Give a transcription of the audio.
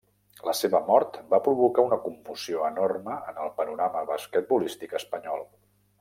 La seva mort va provocar una commoció enorme en el panorama basquetbolístic espanyol.